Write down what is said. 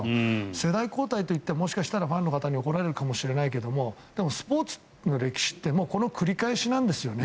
世代交代と言ったらもしかしたらファンの方に怒られるかもしれないけどスポーツの歴史ってこの繰り返しなんですよね。